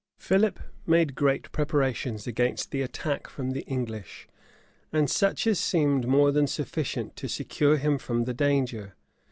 Philip made great preparations against the attack from the English, and such as seemed more than sufficient to secure him from the danger.